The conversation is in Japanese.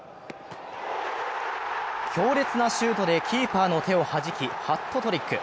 強烈なシュートでキーパーの手をはじき、ハットトリック。